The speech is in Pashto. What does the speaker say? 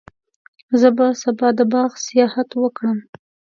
زه به سبا د باغ سیاحت وکړم.